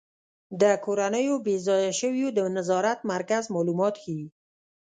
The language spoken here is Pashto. د کورنیو بې ځایه شویو د نظارت مرکز معلومات ښيي.